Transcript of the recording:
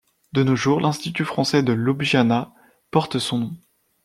De nos jours, l’Institut français de Ljubljana porte son nom.